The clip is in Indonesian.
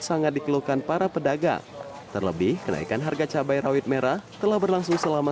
sangat dikeluhkan para pedagang terlebih kenaikan harga cabai rawit merah telah berlangsung selama